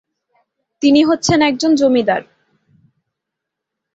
তিনি হচ্ছেন একজন জমিদার।